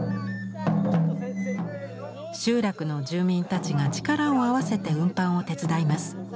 集落の住民たちが力を合わせて運搬を手伝います。